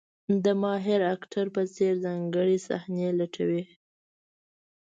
د ماهر اکټر په څېر ځانګړې صحنې لټوي.